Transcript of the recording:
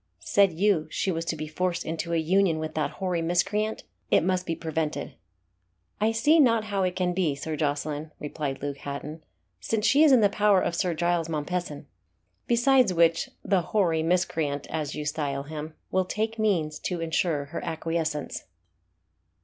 "Said you she was to be forced into a union with that hoary miscreant? It must be prevented." "I see not how it can be, Sir Jocelyn," replied Luke Hatton, "since she is in the power of Sir Giles Mompesson. Besides which, the 'hoary miscreant,' as you style him, will take means to ensure her acquiescence."